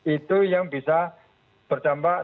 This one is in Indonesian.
itu yang bisa berdampak